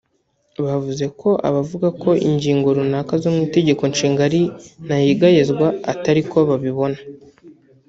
Bavuze ko abavuga ko ingingo runaka zo mu Itegeko Nshinga ari ntayegayezwa atariko babibona